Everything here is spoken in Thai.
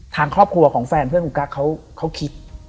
ทางครอบครัวของแฟนเพื่อนคุณกั๊กเขาคิด